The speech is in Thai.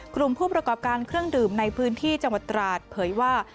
กลุ่มผู้ประกอบการเครื่องดื่มในพื้นที่จังหวัดตราดเผยว่า